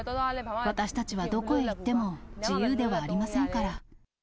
私たちはどこへ行っても自由ではありませんから。